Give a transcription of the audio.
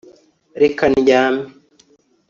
reka ndyame